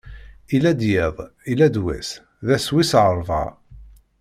Illa-d yiḍ, illa-d wass: d ass wis ṛebɛa.